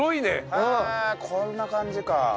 へえこんな感じか。